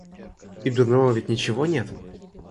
И дурного ведь ничего нет.